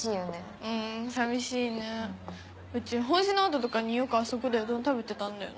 うん寂しいねうち法事の後とかによくあそこでうどん食べてたんだよね。